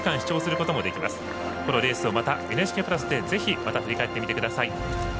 このレースをまたＮＨＫプラスでぜひ振り返ってみてください。